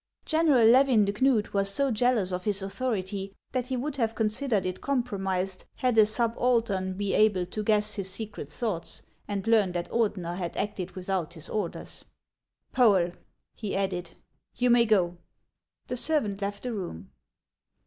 General Levin de Knud was so jealous of his authority that he would have considered it compromised had a subaltern been able to guess his secret thoughts, and learn that Ordener had acted without his orders. " Poel," he added, " you may go." The servant left the room.